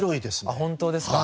あっ本当ですか。